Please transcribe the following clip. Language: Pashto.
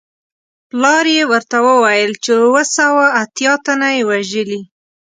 پلار یې ورته وویل چې اووه سوه اتیا تنه یې وژلي.